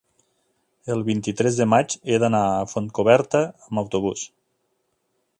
el vint-i-tres de maig he d'anar a Fontcoberta amb autobús.